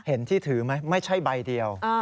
เห็นที่ถือไหมไม่ใช่ใบเดียว